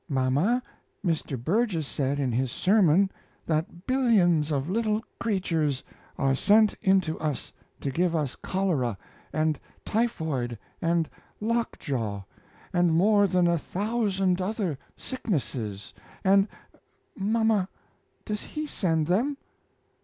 "Mama, Mr. Burgess said in his sermon that billions of little creatures are sent into us to give us cholera, and typhoid, and lockjaw, and more than a thousand other sicknesses and mama, does He send them?"